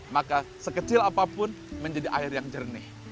maka sekecil apapun menjadi air yang jernih